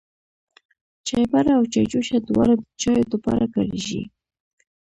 چايبر او چايجوشه دواړه د چايو د پاره کاريږي.